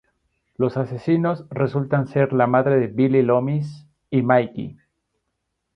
Los asesinos resultan ser la madre de Billy Loomis y Mickey.